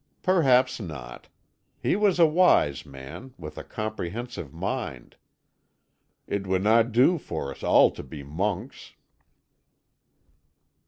"Perhaps not. He was a wise man, with a comprehensive mind. It would not do for us all to be monks."